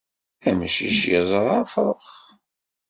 Amcic yeẓṛa afṛux.